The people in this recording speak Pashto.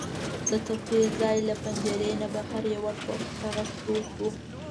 د تفریح ځای له پنجرې نه بهر یو ټوټه کاغذ پروت و.